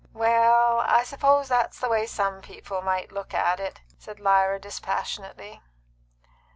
"Well, I suppose that's the way some people might look at it," said Lyra dispassionately.